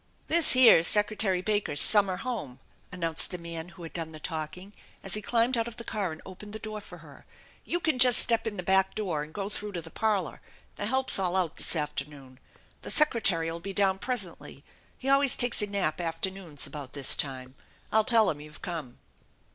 "This here is Secretary Baker's summer home," an nounced the man who had done the talking, as he climbed out of the car and opened the door for her. ee You can just fitep in the back door and go through to the parlor; the help's all out this afternoon. The Secretary 5 !! be down presently. He always takes a nap afternoons about this time. I'll tell bin* you've come."